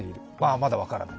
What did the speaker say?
まだ分からない。